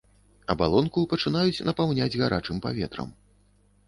Абалонку пачынаюць напаўняць гарачым паветрам.